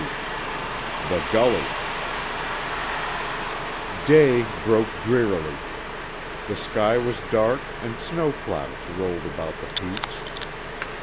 XXX THE GULLY Day broke drearily. The sky was dark and snow clouds rolled about the peaks.